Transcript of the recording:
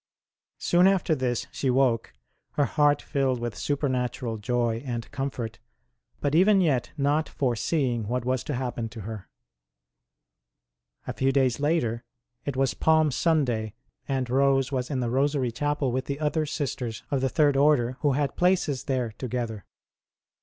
Soon after this she woke, her heart filled with supernatural joy and comfort, but even yet not foreseeing what was to happen to her. A few days later it was Palm Sunday, and Rose was in the Rosary Chapel with the other sisters of the Third Order, who had places there together.